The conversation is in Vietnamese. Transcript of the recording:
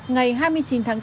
ngày hai mươi chín tháng bốn